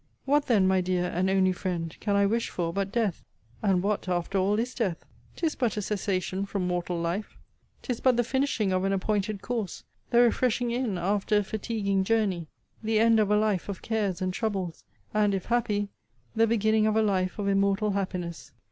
'What then, my dear and only friend, can I wish for but death? And what, after all, is death? 'Tis but a cessation from mortal life: 'tis but the finishing of an appointed course: the refreshing inn after a fatiguing journey; the end of a life of cares and troubles; and, if happy, the beginning of a life of immortal happiness.